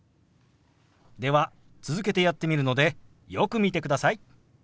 では続けてやってみるのでよく見てください。